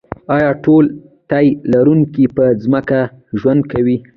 ایا ټول تی لرونکي په ځمکه ژوند کوي